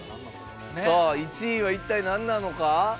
さあ１位は一体何なのか。